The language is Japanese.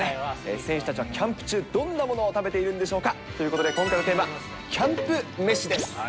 選手たちはキャンプ中、どんなものを食べているんでしょうかということで、今回のテーマ、キャンプ飯です。